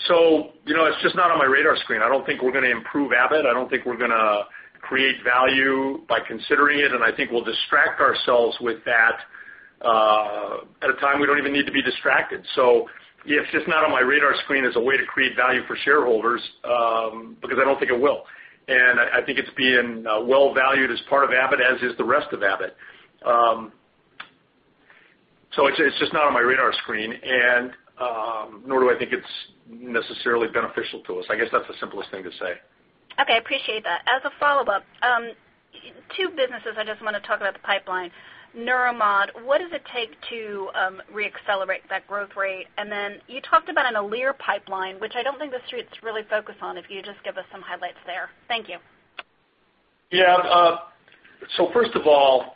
It's just not on my radar screen. I don't think we're going to improve Abbott. I don't think we're going to create value by considering it, and I think we'll distract ourselves with that at a time we don't even need to be distracted. It's just not on my radar screen as a way to create value for shareholders, because I don't think it will. I think it's being well valued as part of Abbott, as is the rest of Abbott. It's just not on my radar screen, and nor do I think it's necessarily beneficial to us. I guess that's the simplest thing to say. Okay, appreciate that. As a follow-up, two businesses I just want to talk about the pipeline. Neuromod, what does it take to re-accelerate that growth rate? Then you talked about an Alere pipeline, which I don't think the street's really focused on, if you just give us some highlights there. Thank you. First of all,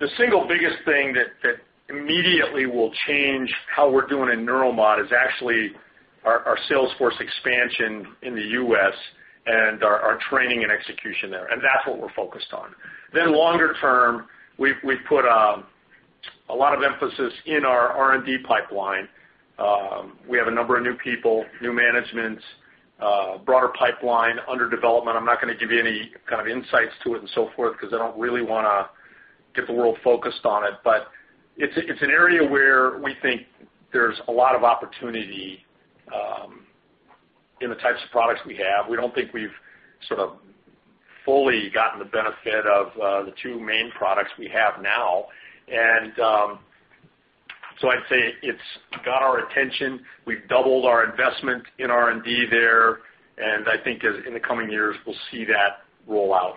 the single biggest thing that immediately will change how we're doing in Neuromodulation is actually our sales force expansion in the U.S. and our training and execution there, and that's what we're focused on. Longer term, we've put a lot of emphasis in our R&D pipeline. We have a number of new people, new management, broader pipeline under development. I'm not going to give you any kind of insights to it and so forth because I don't really want to get the world focused on it. It's an area where we think there's a lot of opportunity in the types of products we have. We don't think we've sort of fully gotten the benefit of the two main products we have now. I'd say it's got our attention. We've doubled our investment in R&D there, I think as in the coming years, we'll see that roll out.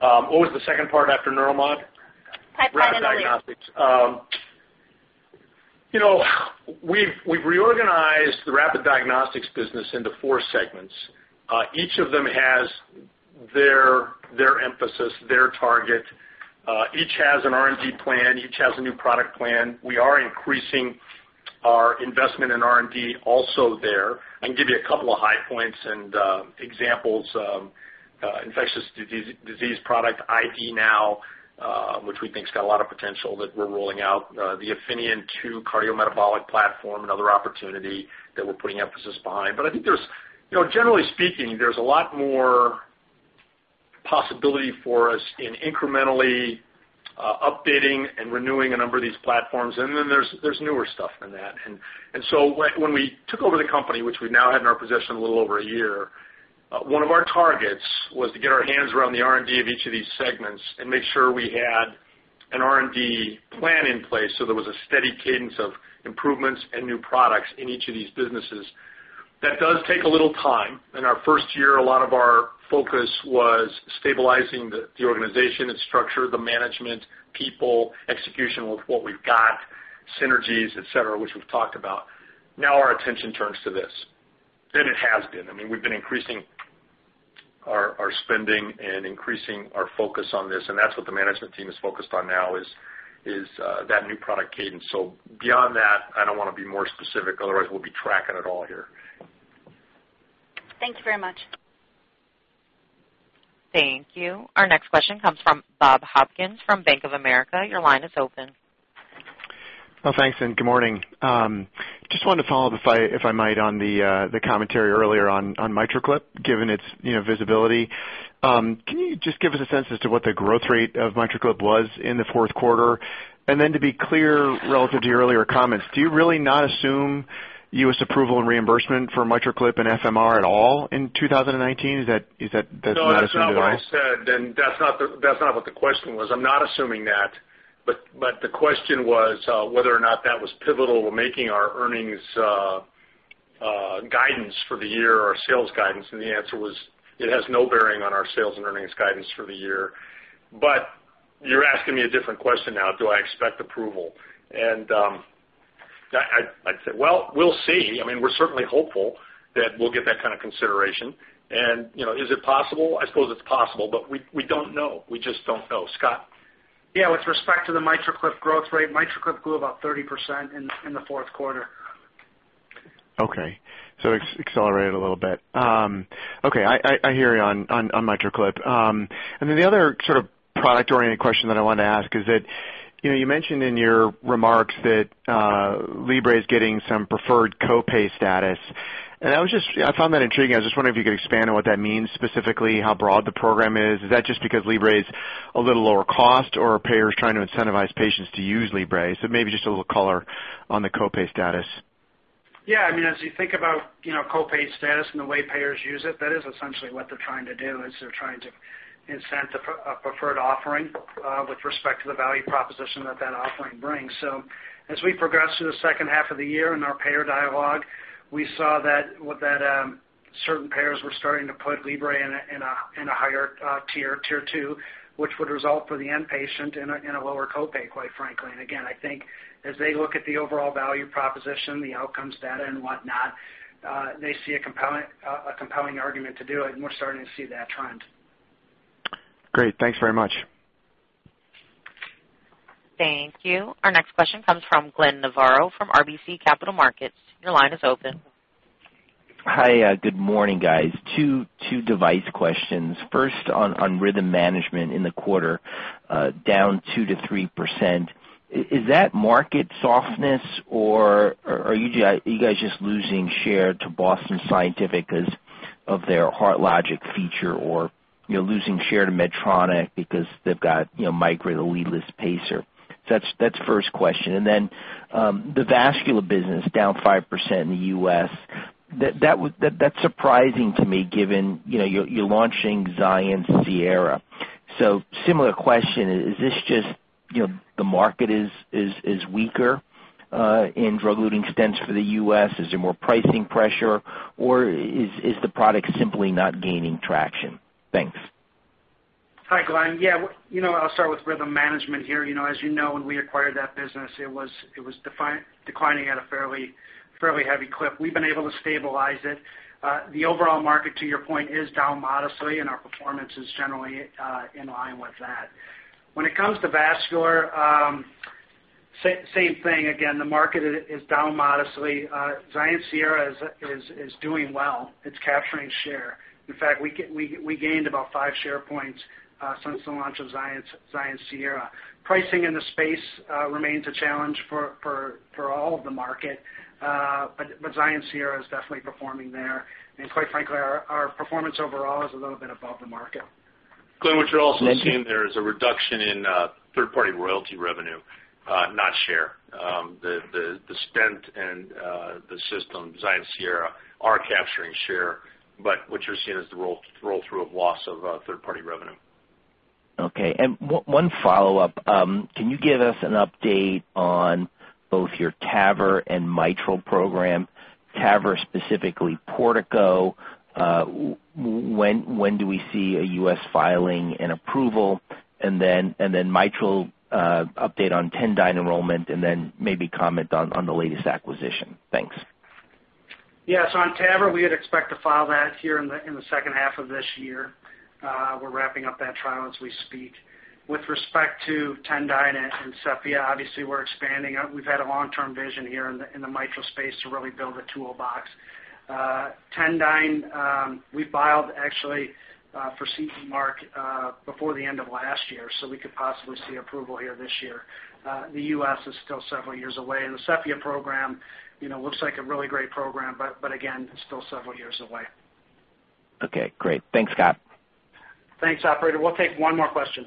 What was the second part after Neuromodulation? Pipeline and Alere. Rapid Diagnostics. We've reorganized the Rapid Diagnostics business into four segments. Each of them has their emphasis, their target. Each has an R&D plan. Each has a new product plan. We are increasing our investment in R&D also there. I can give you a couple of high points and examples. Infectious disease product ID NOW, which we think has got a lot of potential that we're rolling out. The Afinion 2 cardiometabolic platform, another opportunity that we're putting emphasis behind. I think generally speaking, there's a lot more possibility for us in incrementally updating and renewing a number of these platforms. There's newer stuff than that. When we took over the company, which we now had in our possession a little over a year, one of our targets was to get our hands around the R&D of each of these segments and make sure we had an R&D plan in place so there was a steady cadence of improvements and new products in each of these businesses. That does take a little time. In our first year, a lot of our focus was stabilizing the organization, its structure, the management, people, execution with what we've got, synergies, et cetera, which we've talked about. Now our attention turns to this. It has been. I mean, we've been increasing our spending and increasing our focus on this, and that's what the management team is focused on now is that new product cadence. Beyond that, I don't want to be more specific, otherwise we'll be tracking it all here. Thanks very much. Thank you. Our next question comes from Bob Hopkins from Bank of America. Your line is open. Well, thanks, and good morning. Just wanted to follow up, if I might, on the commentary earlier on MitraClip, given its visibility. Can you just give us a sense as to what the growth rate of MitraClip was in the fourth quarter? To be clear, relative to your earlier comments, do you really not assume U.S. approval and reimbursement for MitraClip and FMR at all in 2019? Is that not assumed at all? No, that's not what I said. That's not what the question was. I'm not assuming that. The question was whether or not that was pivotal in making our earnings guidance for the year, our sales guidance, and the answer was it has no bearing on our sales and earnings guidance for the year. You're asking me a different question now. Do I expect approval? I'd say, well, we'll see. I mean, we're certainly hopeful that we'll get that kind of consideration. Is it possible? I suppose it's possible, but we don't know. We just don't know. Scott? Yeah, with respect to the MitraClip growth rate, MitraClip grew about 30% in the fourth quarter. Okay, it accelerated a little bit. Okay, I hear you on MitraClip. The other sort of product-oriented question that I wanted to ask is that you mentioned in your remarks that Libre is getting some preferred co-pay status. I found that intriguing. I was just wondering if you could expand on what that means specifically, how broad the program is. Is that just because Libre's a little lower cost or are payers trying to incentivize patients to use Libre? Maybe just a little color on the co-pay status. As you think about co-pay status and the way payers use it, that is essentially what they're trying to do, is they're trying to incent a preferred offering with respect to the value proposition that that offering brings. As we progress through the second half of the year in our payer dialogue, we saw that certain payers were starting to put Libre in a higher tier 2, which would result for the end patient in a lower co-pay, quite frankly. Again, I think as they look at the overall value proposition, the outcomes data and whatnot, they see a compelling argument to do it, and we're starting to see that trend. Great. Thanks very much. Thank you. Our next question comes from Glenn Novarro from RBC Capital Markets. Your line is open. Hi, good morning, guys. Two device questions. First on Rhythm Management in the quarter, down 2%-3%. Is that market softness or are you guys just losing share to Boston Scientific because of their HeartLogic feature or losing share to Medtronic because they've got Micra, the leadless pacer? That's the first question. Then the vascular business down 5% in the U.S. That's surprising to me given you're launching XIENCE Sierra. Similar question, is this just the market is weaker in drug-eluting stents for the U.S.? Is there more pricing pressure or is the product simply not gaining traction? Thanks. Hi, Glenn. Yeah. I'll start with Rhythm Management here. As you know, when we acquired that business, it was declining at a fairly heavy clip. We've been able to stabilize it. The overall market, to your point, is down modestly, and our performance is generally in line with that. When it comes to vascular, same thing again, the market is down modestly. XIENCE Sierra is doing well. It's capturing share. In fact, we gained about five share points since the launch of XIENCE Sierra. Pricing in the space remains a challenge for all of the market. XIENCE Sierra is definitely performing there. Quite frankly, our performance overall is a little bit above the market. Glenn, what you're also seeing there is a reduction in third-party royalty revenue, not share. The stent and the system, XIENCE Sierra, are capturing share, but what you're seeing is the roll-through of loss of third-party revenue. Okay. One follow-up. Can you give us an update on both your TAVR and mitral program? TAVR, specifically Portico, when do we see a U.S. filing and approval? Then mitral, update on Tendyne enrollment and then maybe comment on the latest acquisition. Thanks. Yeah. On TAVR, we would expect to file that here in the second half of this year. We're wrapping up that trial as we speak. With respect to Tendyne and Cephea, obviously we're expanding. We've had a long-term vision here in the mitral space to really build a toolbox. Tendyne, we filed actually for CE mark before the end of last year, we could possibly see approval here this year. The U.S. is still several years away, the Cephea program looks like a really great program, again, it's still several years away. Okay, great. Thanks, Scott. Thanks. Operator, we'll take one more question.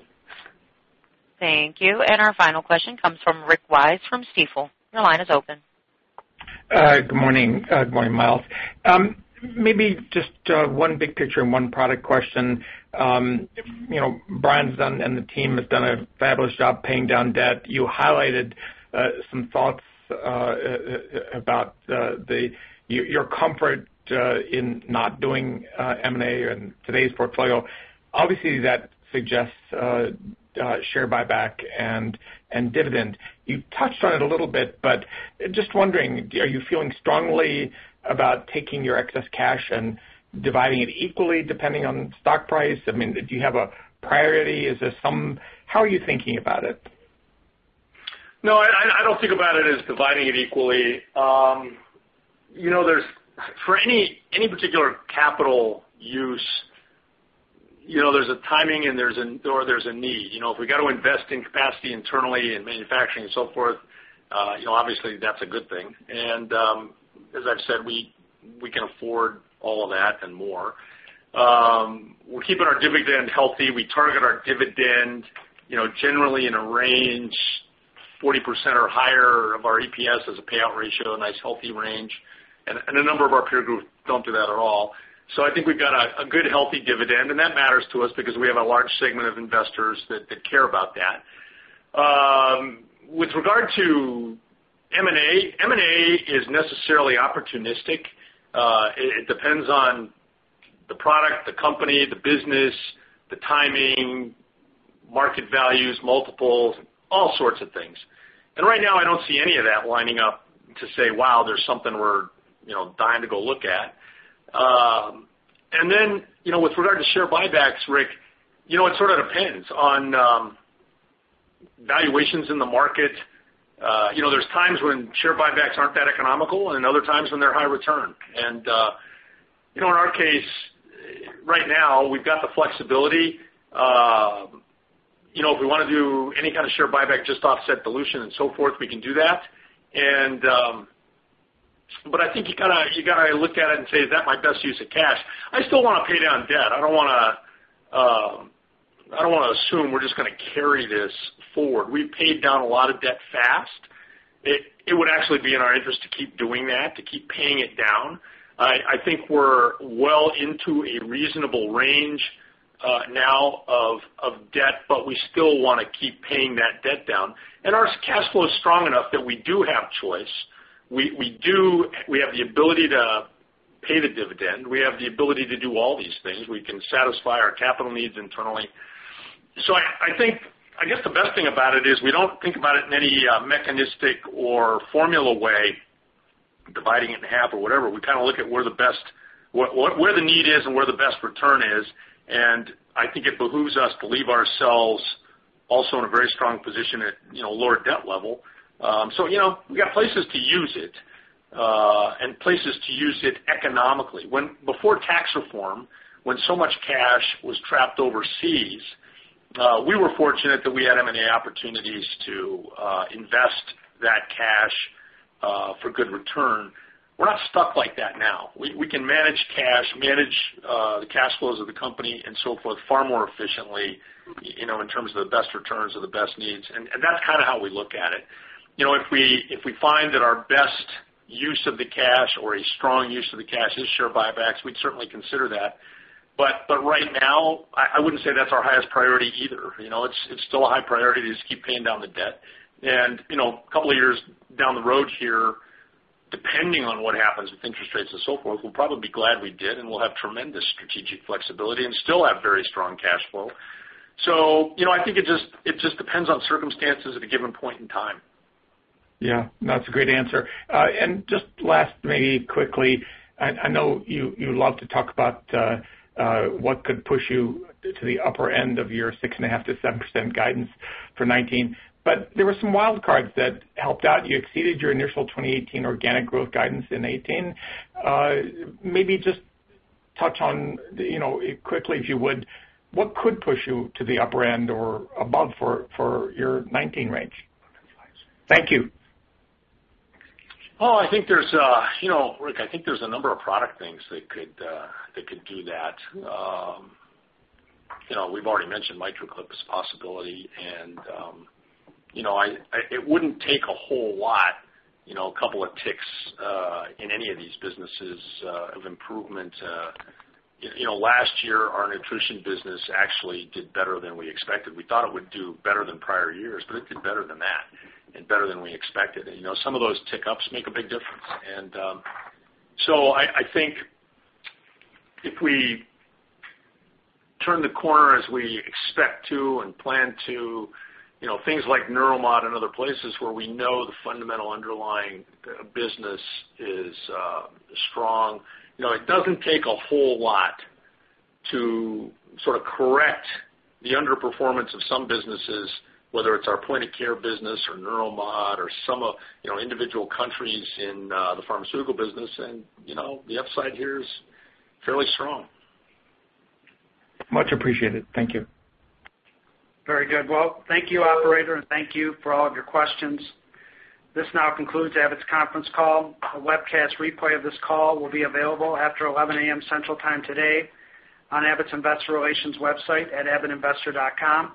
Thank you. Our final question comes from Rick Wise from Stifel. Your line is open. Good morning. Good morning, Miles. Maybe just one big picture and one product question. Brian and the team have done a fabulous job paying down debt. You highlighted some thoughts about your comfort in not doing M&A in today's portfolio. Obviously, that suggests share buyback and dividend. You touched on it a little bit, but just wondering, are you feeling strongly about taking your excess cash and dividing it equally depending on stock price? Do you have a priority? How are you thinking about it? No, I don't think about it as dividing it equally. For any particular capital use, there's a timing or there's a need. If we got to invest in capacity internally and manufacturing and so forth, obviously that's a good thing. As I've said, we can afford all of that and more. We're keeping our dividend healthy. We target our dividend generally in a range 40% or higher of our EPS as a payout ratio, a nice healthy range. A number of our peer groups don't do that at all. I think we've got a good, healthy dividend, and that matters to us because we have a large segment of investors that care about that. With regard to M&A, M&A is necessarily opportunistic. It depends on the product, the company, the business, the timing, market values, multiples, all sorts of things. Right now, I don't see any of that lining up to say, wow, there's something we're dying to go look at. With regard to share buybacks, Rick, it sort of depends on valuations in the market. There's times when share buybacks aren't that economical and other times when they're high return. In our case, right now, we've got the flexibility. If we want to do any kind of share buyback, just offset dilution and so forth, we can do that. I think you got to look at it and say, "Is that my best use of cash?" I still want to pay down debt. I don't want to assume we're just going to carry this forward. We've paid down a lot of debt fast. It would actually be in our interest to keep doing that, to keep paying it down. I think we're well into a reasonable range now of debt, but we still want to keep paying that debt down, and our cash flow is strong enough that we do have choice. We have the ability to pay the dividend. We have the ability to do all these things. We can satisfy our capital needs internally. I think, I guess the best thing about it is we don't think about it in any mechanistic or formula way, dividing it in half or whatever. We kind of look at where the need is and where the best return is, and I think it behooves us to leave ourselves also in a very strong position at a lower debt level. We got places to use it, and places to use it economically. Before tax reform, when so much cash was trapped overseas, we were fortunate that we had M&A opportunities to invest that cash, for good return. We're not stuck like that now. We can manage cash, manage the cash flows of the company and so forth far more efficiently, in terms of the best returns or the best needs. That's kind of how we look at it. If we find that our best use of the cash or a strong use of the cash is share buybacks, we'd certainly consider that. Right now, I wouldn't say that's our highest priority either. It's still a high priority to just keep paying down the debt. A couple of years down the road here, depending on what happens with interest rates and so forth, we'll probably be glad we did, and we'll have tremendous strategic flexibility and still have very strong cash flow. I think it just depends on circumstances at a given point in time. Yeah. No, that's a great answer. Just last, maybe quickly, I know you love to talk about what could push you to the upper end of your 6.5%-7% guidance for 2019, there were some wild cards that helped out. You exceeded your initial 2018 organic growth guidance in 2018. Maybe just touch on, quickly if you would, what could push you to the upper end or above for your 2019 range? Thank you. Oh, Rick, I think there's a number of product things that could do that. We've already mentioned MitraClip as a possibility, it wouldn't take a whole lot, a couple of ticks in any of these businesses of improvement. Last year, our nutrition business actually did better than we expected. We thought it would do better than prior years, it did better than that and better than we expected. Some of those tick ups make a big difference. I think if we turn the corner as we expect to and plan to, things like Neuromodulation and other places where we know the fundamental underlying business is strong. It doesn't take a whole lot to sort of correct the underperformance of some businesses, whether it's our point of care business or Neuromodulation or some individual countries in the pharmaceutical business. The upside here is fairly strong. Much appreciated. Thank you. Very good. Well, thank you, operator, and thank you for all of your questions. This now concludes Abbott's conference call. A webcast replay of this call will be available after 11:00 A.M. Central Time today on Abbott's Investor Relations website at abbottinvestor.com.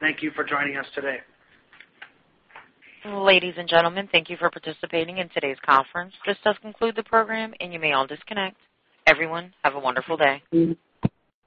Thank you for joining us today. Ladies and gentlemen, thank you for participating in today's conference. This does conclude the program, and you may all disconnect. Everyone, have a wonderful day.